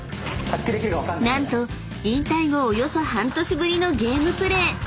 ［何と引退後およそ半年ぶりのゲームプレー］